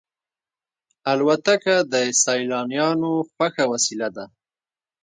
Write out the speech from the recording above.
الوتکه د سیلانیانو خوښه وسیله ده.